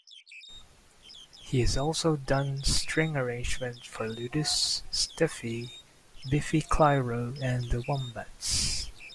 He has also done string arrangements for Ludus, Stefy, Biffy Clyro and The Wombats.